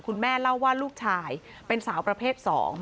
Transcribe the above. แม่เล่าว่าลูกชายเป็นสาวประเภท๒